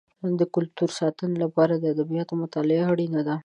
د کلتور د ساتنې لپاره د ادبیاتو مطالعه اړینه ده.